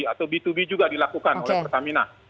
atau b dua b juga dilakukan oleh pertamina